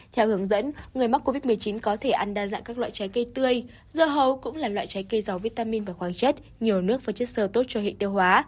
theo hướng dẫn người mắc covid một mươi chín có thể ăn đa dạng các loại trái cây tươi dưa hấu cũng là loại trái cây giàu vitamin và khoáng chất nhiều nước và chất sơ tốt cho hệ tiêu hóa